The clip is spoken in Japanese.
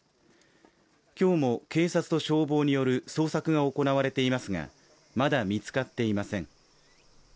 今日も警察と消防による捜索が行われていますがまだ見つかっていません